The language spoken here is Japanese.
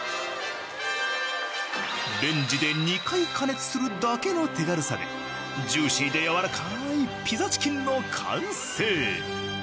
レンジで２回加熱するだけの手軽さでジューシーでやわらかいピザチキンの完成。